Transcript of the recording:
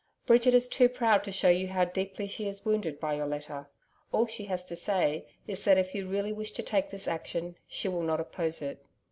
Bridget is too proud to show you how deeply she is wounded by your letter. All she has to say is, that if you really wish to take this action, she will not oppose it.